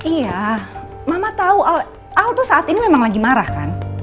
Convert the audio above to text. iya mama tahu al tuh saat ini memang lagi marah kan